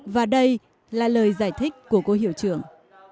và đây là lời giải thích của cô hiệu trưởng